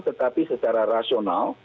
tetapi secara rasional